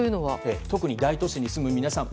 特に大都市に住む皆さん